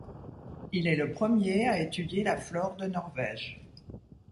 Il est le premier à étudier la flore de Norvège.